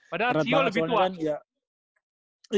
padahal cio lebih tua